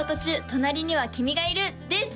隣には君がいる。」です